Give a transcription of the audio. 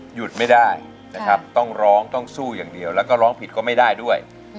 หยุดไม่ได้นะครับต้องร้องต้องสู้อย่างเดียวแล้วก็ร้องผิดก็ไม่ได้ด้วย